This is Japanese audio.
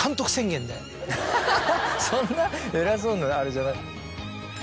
そんな偉そうなあれじゃない。